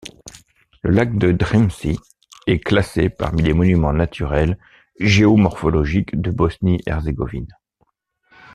Le lac de Ždrimci est classé parmi les monuments naturels géo-morphologiques de Bosnie-Herzégovine.